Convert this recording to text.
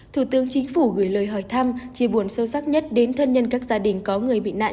thủ tướng chính phủ gửi lời hỏi thăm chia buồn sâu sắc nhất đến thân nhân các gia đình có người bị nạn